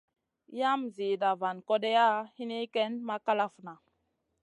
Yam zida van kodeya hini ken ma kalafna.